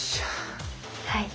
はい。